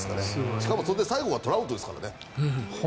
しかもそれで最後がトラウトですからね。